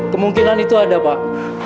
kemungkinan itu ada pak